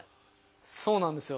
そうなんですよ。